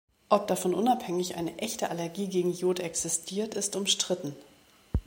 Ob davon unabhängig eine echte Allergie gegen Iod existiert, ist umstritten.